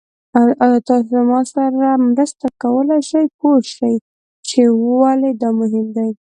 ایا تاسو ما سره مرسته کولی شئ پوه شئ چې ولې دا مهم دی؟